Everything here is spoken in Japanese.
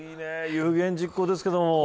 有言実行ですけど。